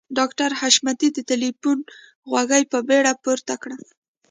ډاکټر حشمتي د ټليفون غوږۍ په بیړه پورته کړه.